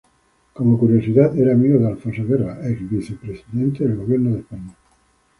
Como curiosidad, era amigo de Alfonso Guerra, ex-vicepresidente del Gobierno de España.